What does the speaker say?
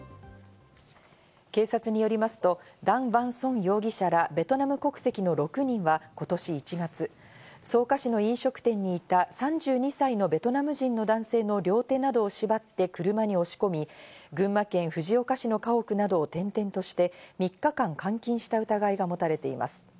警察によりますとダン・ヴァン・ソン容疑者らベトナム国籍の６人は今年１月、草加市の飲食店にいた３２歳のベトナム人の男性の両手などを縛って車に押し込み、群馬県藤岡市の家屋などを転々として３日間、監禁した疑いが持たれています。